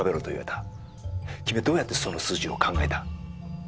君はどうやってその数字を考えた？